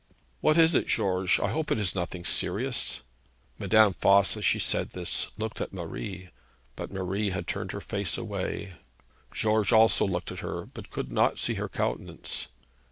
'What is it, George? I hope it is nothing serious.' Madame Voss as she said this looked at Marie, but Marie had turned her face away. George also looked at her, but could not see her countenance.